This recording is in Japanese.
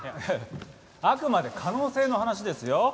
あくまで可能性の話ですよ。